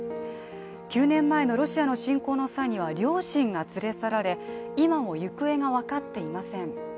９年前のロシアの侵攻の際は両親が連れ去られ今も行方が分かっていません。